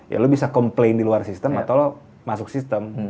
ya lo bisa komplain di luar sistem atau lo masuk sistem